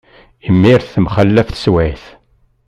Imir temxalaf teswiεt.